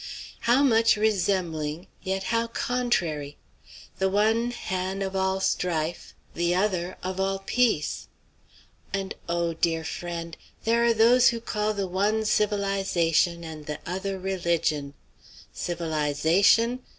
How much resem'ling, yet how con_tra_ry! The one han' of all strife; the other of all peace. And oh! dear friend, there are those who call the one civilize ation, and the other religion. Civilize ation?